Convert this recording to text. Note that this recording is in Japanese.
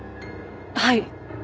はい。